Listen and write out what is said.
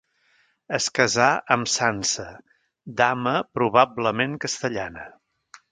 Es casà amb Sança, dama probablement castellana.